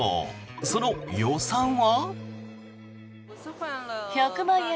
その予算は？